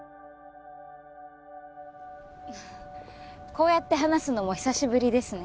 こうやって話すのも久しぶりですね